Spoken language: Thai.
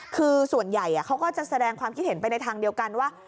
คือส่วนใหญ่เขาก็จะแสดงความคิดเห็นไปในทางเดียวกันว่า